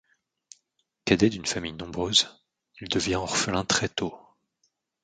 Cadet d'une famille nombreuse, il devient orphelin très tôt.